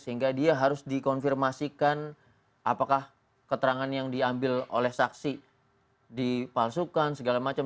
sehingga dia harus dikonfirmasikan apakah keterangan yang diambil oleh saksi dipalsukan segala macam